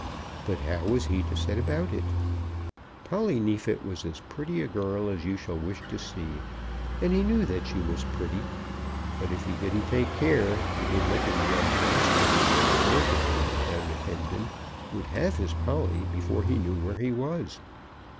But how was he to set about it? Polly Neefit was as pretty a girl as you shall wish to see, and he knew that she was pretty. But, if he didn't take care, the good looking young gasfitter, next door to him down at Hendon, would have his Polly before he knew where he was.